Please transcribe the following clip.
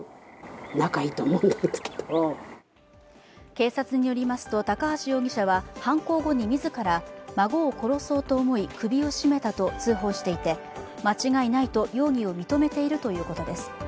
警察によりますと、高橋容疑者は犯行後に自ら孫を殺そうと思い首を絞めたと通報していて、間違いないと容疑を認めているということです。